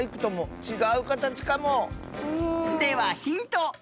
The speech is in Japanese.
ではヒント。